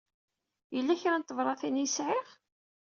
Yella kra n tebṛatin ay sɛiɣ?